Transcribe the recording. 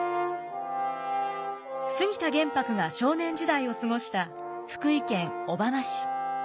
杉田玄白が少年時代を過ごした福井県小浜市。